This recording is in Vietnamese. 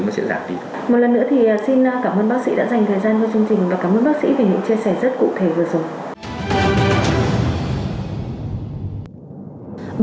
và cảm ơn bác sĩ vì những chia sẻ rất cụ thể vừa rồi